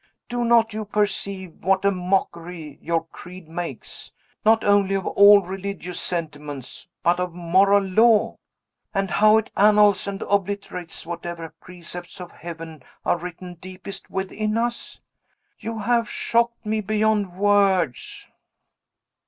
Do not you perceive what a mockery your creed makes, not only of all religious sentiments, but of moral law? And how it annuls and obliterates whatever precepts of Heaven are written deepest within us? You have shocked me beyond words!"